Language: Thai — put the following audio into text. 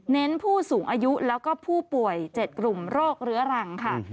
ผู้สูงอายุแล้วก็ผู้ป่วย๗กลุ่มโรคเรื้อรังค่ะ